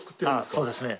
ああそうですね。